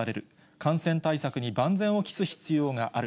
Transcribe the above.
感染対策に万全を期す必要がある。